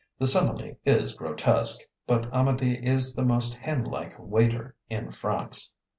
The simile is grotesque; but Amedee is the most henlike waiter in France.